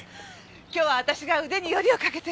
今日は私が腕によりをかけて。